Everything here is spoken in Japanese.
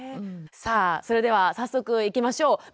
さあそれでは早速いきましょう。